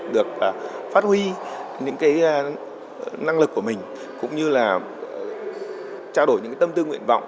được phát huy những cái năng lực của mình cũng như là trao đổi những tâm tư nguyện vọng